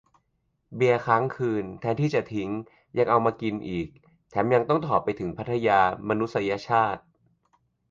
เบียร์ค้างคืน แทนที่จะทิ้ง ยังเอามากินอีก แถมยังต้องถ่อไปถึงพัทยา มนุษยชาติ